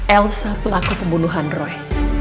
elsa pelaku pembunuhan roy